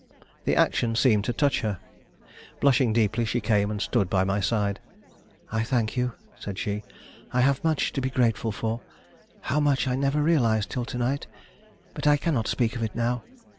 The action seemed to touch her. Blushing deeply, she came and stood by my side. "I thank you," said she. "I have much to be grateful for; how much I never realized till to night; but I cannot speak of it now.